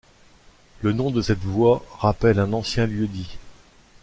Le nom de cette voie rappelle un ancien lieu-dit.